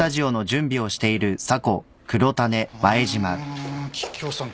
あ桔梗さん